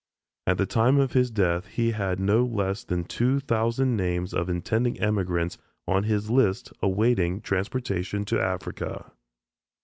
At the time of his death he had no less than two thousand names of intending emigrants on his list awaiting transportation to Africa.